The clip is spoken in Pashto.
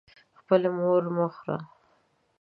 خپله مور مه خوره.